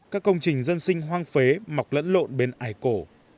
các công trình dân sinh hoang phế mọc lẫn lộn bên ải cổ